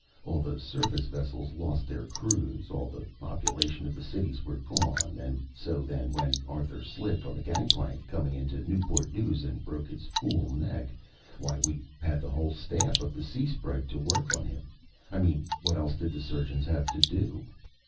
All the surface vessels lost their crews. All the population of the cities were gone. And so then, when Arthur slipped on the gangplank coming into Newport News and broke his fool neck, why, we had the whole staff of the Sea Sprite to work on him. I mean what else did the surgeons have to do?